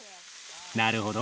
なるほど。